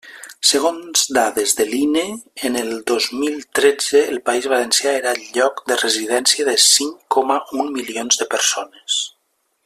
Segons dades de l'INE, en el dos mil tretze el País Valencià era el lloc de residència de cinc coma un milions de persones.